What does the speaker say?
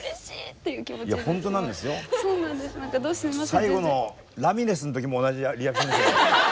最後のラミレスの時も同じリアクション。